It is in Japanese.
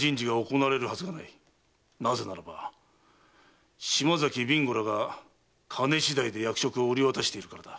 なぜならば島崎備後らが金次第で役職を売り渡しているからだ。